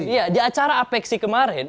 iya di acara apeksi kemarin